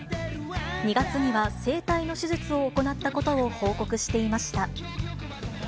２月には声帯の手術を行ったことを報告していました。